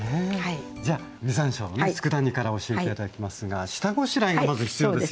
じゃ実山椒のつくだ煮から教えて頂きますが下ごしらえがまず必要ですね。